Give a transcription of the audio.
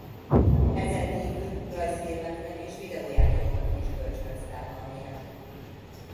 Ezen kívül rajzfilmeknek és videójátékoknak is kölcsönözte a hangját.